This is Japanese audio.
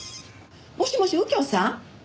もしもし右京さん？